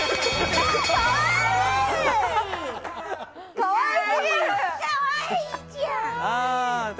かわいい！